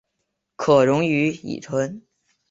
可溶于乙醇。